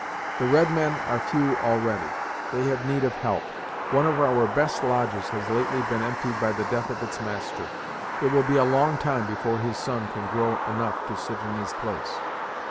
The red men are few already; they have need of help. One of our best lodges has lately been emptied by the death of its master; it will be a long time before his son can grow big enough to sit in his place.